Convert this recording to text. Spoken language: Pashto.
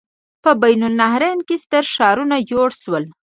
په بین النهرین کې ستر ښارونه جوړ شول.